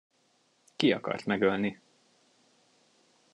Ki akart megölni?